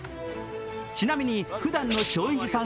ちなみにふだんの松陰寺さん